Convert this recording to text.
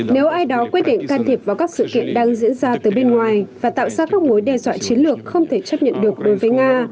nếu ai đó quyết định can thiệp vào các sự kiện đang diễn ra từ bên ngoài và tạo ra các mối đe dọa chiến lược không thể chấp nhận được đối với nga